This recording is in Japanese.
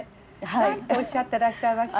何とおっしゃってらっしゃいました？